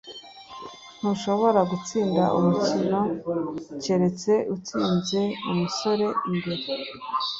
Ntushobora gutsinda umukino keretse utsinze umusore imbere yawe